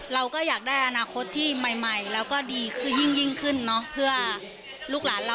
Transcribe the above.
เราก็อยากได้อนาคตที่ใหม่แล้วก็ดีคือยิ่งขึ้นเนอะเพื่อลูกหลานเรา